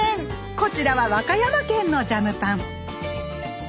こちらは和歌山県のジャムパン。